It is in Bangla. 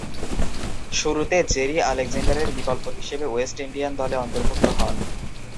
শুরুতে জেরি আলেকজান্ডারের বিকল্প হিসেবে ওয়েস্ট ইন্ডিয়ান দলে অন্তর্ভুক্ত হন।